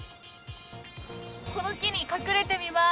この木に隠れてみます。